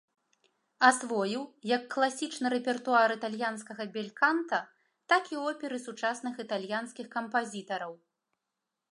Асвоіў як класічны рэпертуар італьянскага бельканта, так і оперы сучасных італьянскіх кампазітараў.